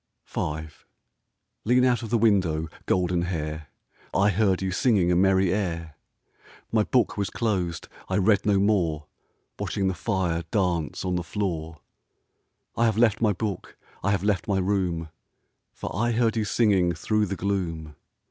Lean out of the window, Goldenhair, I heard you singing A merry air. My book was closed ; I read no more, Watching the fire dance On the floor. I have left my book, I have left my room, For I heard you singing Through the gloom.